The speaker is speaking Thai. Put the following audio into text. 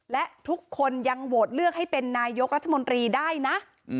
และทุกคนยังโหวตเลือกให้เป็นนายกรัฐมนตรีได้นะ